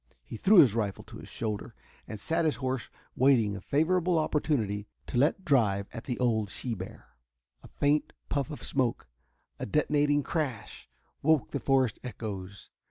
He threw his rifle to his shoulder and sat his horse waiting a favorable opportunity to let drive at the old she bear. A faint puff of smoke, a detonating crash, woke the forest echoes.